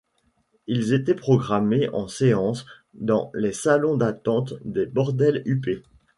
Ils étaient programmés en séances dans les salons d'attente des bordels huppés.